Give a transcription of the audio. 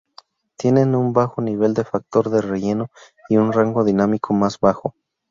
Tienen un bajo nivel de factor de relleno y un rango dinámico más bajo.